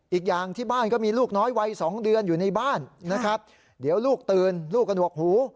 อีกอย่างที่บ้านก็มีลูกน้อยวัย๒เดือนอยู่ในบ้านนะครับเดี๋ยวลูกตื่นลูกกระหนวกหู